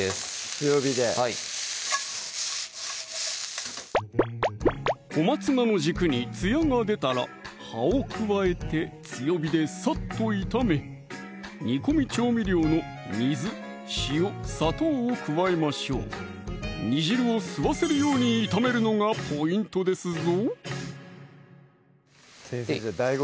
強火で小松菜の軸につやが出たら葉を加えて強火でさっと炒め煮込み調味料の水・塩・砂糖を加えましょう煮汁を吸わせるように炒めるのがポイントですぞ先生ＤＡＩＧＯ